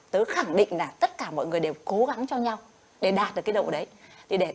tôi khẳng định là tất cả mọi người đều cố gắng cho nhau để đạt được cái độ đấy